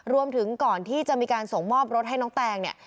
รวมถึงก่อนที่จะมีการส่งมอบรถให้น้องแตงเนี่ย